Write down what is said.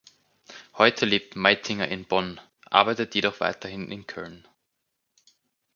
Heute lebt Meitinger in Bonn, arbeitet jedoch weiterhin in Köln.